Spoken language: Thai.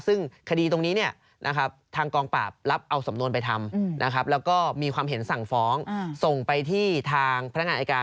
ซึ่งคดีตรงนี้ทางกองปราบรับเอาสำนวนไปทำนะครับแล้วก็มีความเห็นสั่งฟ้องส่งไปที่ทางพนักงานอายการ